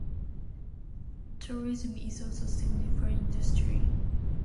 Tourism is also significant industry.